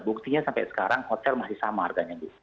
buktinya sampai sekarang hotel masih sama harganya